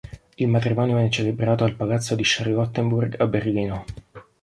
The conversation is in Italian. Il matrimonio venne celebrato al Palazzo di Charlottenburg a Berlino.